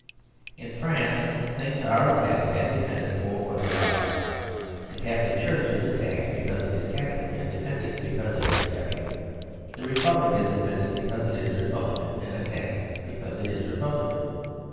In France things are attacked and defended for what they are. The Catholic Church is attacked because it is Catholic, and defended because it is Catholic. The Republic is defended because it is Republican, and attacked because it is Republican.